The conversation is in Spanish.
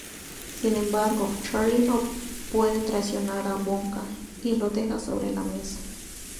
Sin embargo, Charlie no puede traicionar a Wonka y lo deja sobre la mesa.